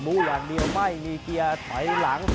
อย่างเดียวไม่มีเกียร์ถอยหลัง